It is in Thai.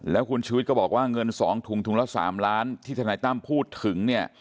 แล้วคุณชุวิตก็บอกว่าเงิน๒ถุงถุงละ๓ล้านที่ธนายตั้มพูดถึงเนี่ย